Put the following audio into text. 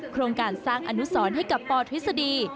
โครงการสร้างอนุสรให้กับปทฤษฎี